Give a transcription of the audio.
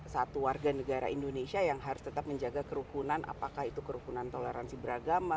satu warga negara indonesia yang harus tetap menjaga kerukunan apakah itu kerukunan toleransi beragama